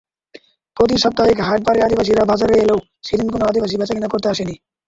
প্রতি সাপ্তাহিক হাটবারে আদিবাসীরা বাজারে এলেও সেদিন কোনো আদিবাসী বেচাকেনা করতে আসেনি।